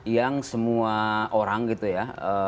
yang semua orang gitu ya